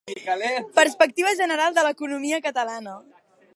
Perspectiva general de l'economia catalana.